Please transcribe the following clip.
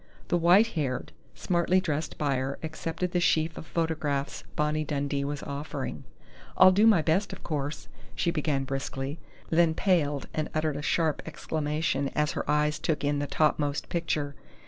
The white haired, smartly dressed buyer accepted the sheaf of photographs Bonnie Dundee was offering. "I'll do my best, of course," she began briskly, then paled and uttered a sharp exclamation as her eyes took in the topmost picture.